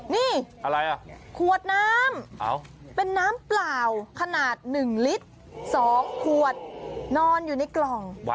นี่อะไรอ่ะขวดน้ำเป็นน้ำเปล่าขนาด๑ลิตร๒ขวดนอนอยู่ในกล่อง